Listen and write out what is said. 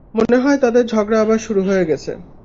মনে হয় তাদের ঝগড়া আবার শুরু হয়ে গেছে।